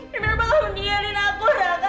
kenapa kamu tinggalin aku raka